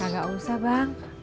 gak usah bang